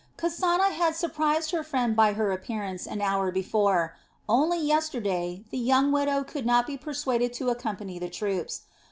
Kasana had surprised her friend by her appearance an hour before; only yesterday the young widow could not be persuaded to accompany the troops.